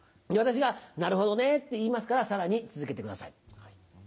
私が「なるほどね」って言いますからさらに続けてください。